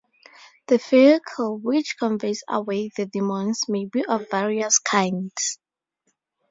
The vehicle which conveys away the demons may be of various kinds.